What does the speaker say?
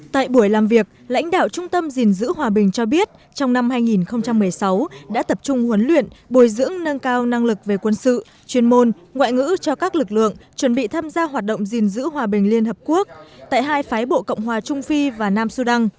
tại buổi làm việc lãnh đạo trung tâm gìn giữ hòa bình cho biết trong năm hai nghìn một mươi sáu đã tập trung huấn luyện bồi dưỡng nâng cao năng lực về quân sự chuyên môn ngoại ngữ cho các lực lượng chuẩn bị tham gia hoạt động gìn giữ hòa bình liên hợp quốc tại hai phái bộ cộng hòa trung phi và nam sudan